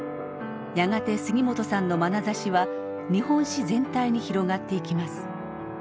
やがて杉本さんのまなざしは日本史全体に広がっていきます。